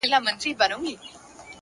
د زړه صفا د اړیکو قوت دی’